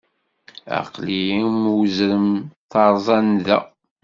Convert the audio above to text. Aql-i am uzrem teṛẓa nnda.